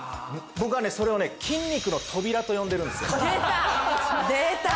僕はねそれをね「筋肉の扉」と呼んでるんですよ出た！